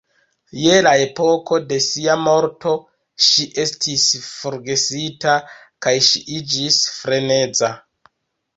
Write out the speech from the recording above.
Je la epoko de sia morto ŝi estis forgesita kaj ŝi iĝis freneza.